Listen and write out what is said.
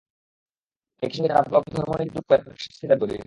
একই সঙ্গে যারা ব্লগে ধর্ম নিয়ে বিদ্রূপ করে তাদেরও শাস্তির দাবি করি।